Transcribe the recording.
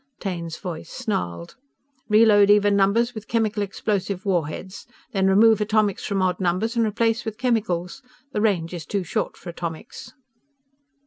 Taine's voice snarled: "_Reload even numbers with chemical explosive war heads. Then remove atomics from odd numbers and replace with chemicals. The range is too short for atomics.